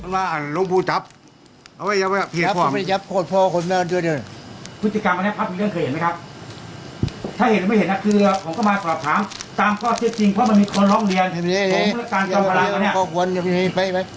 ตามข้อสิทธิ์จริงเพราะมันมีคนร้องเรียนเพื่อการกำลังนะเนี่ย